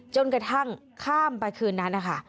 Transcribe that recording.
จนกระทั่งข้ามไปคืนนั้นนะคะ